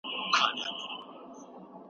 دا واقعیتونه په افرادو باندي جبري دي.